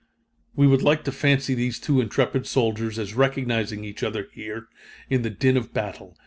We would like to fancy these two intrepid soldiers as recognizing each other here in the din of battle.